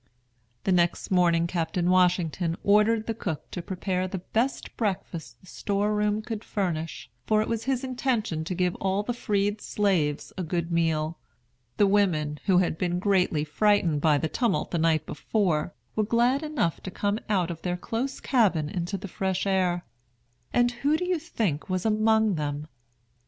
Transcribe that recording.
The next morning Captain Washington ordered the cook to prepare the best breakfast the store room could furnish, for it was his intention to give all the freed slaves a good meal. The women, who had been greatly frightened by the tumult the night before, were glad enough to come out of their close cabin into the fresh air. And who do you think was among them?